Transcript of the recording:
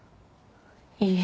いいえ。